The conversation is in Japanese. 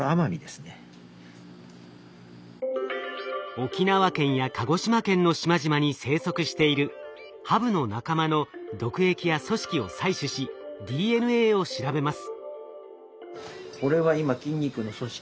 沖縄県や鹿児島県の島々に生息しているハブの仲間の毒液や組織を採取しＤＮＡを調べます。